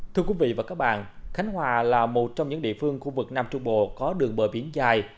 thưa quý vị và các bạn khánh hòa là một trong những địa phương khu vực nam trung bộ có đường bờ biển dài